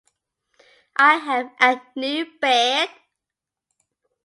میرے پاس نیا بستر ہے۔